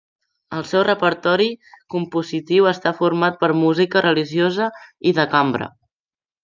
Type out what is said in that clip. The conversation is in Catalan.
El seu repertori compositiu està format per música religiosa i de cambra.